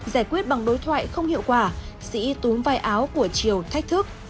giải quyết bằng đối thoại không hiệu quả sĩ túm vai áo của chiều thách thức